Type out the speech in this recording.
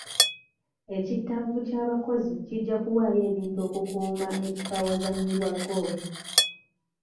Ekittavvu ky'abakozi kijja kuwaayo ebintu okukuuma ekifo awazannyirwa goofu.